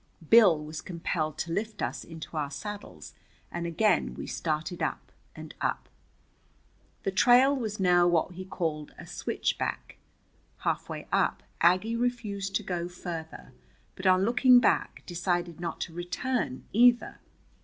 Bill was compelled to lift us into our saddles, and again we started up and up. The trail was now what he called a "switchback." Halfway up Aggie refused to go farther, but on looking back decided not to return either.